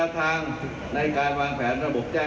วิธีป้องกันและแก้สายปัญหา